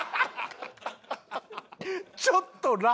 ちょっと「ラ」。